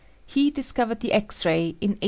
He discovered the X ray in 1895.